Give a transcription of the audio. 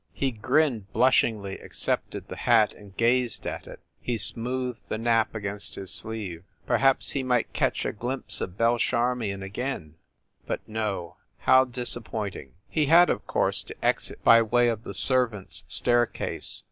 He grinned, blushingly accepted the hat, and gazed at it. He smoothed the nap against his sleeve. Perhaps he might catch a glimpse of Belle Charmion again but no, how dis appointing! He had, of course, to exit by way of the servants staircase.